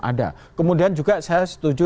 ada kemudian juga saya setuju